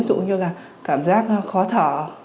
ví dụ như là cảm giác khó thở